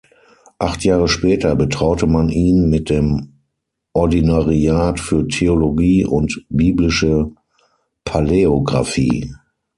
Acht Jahre später betraute man ihn mit dem Ordinariat für Theologie und biblische Paläografie.